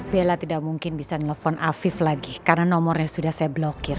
bella tidak mungkin bisa nelfon afif lagi karena nomornya sudah saya blokir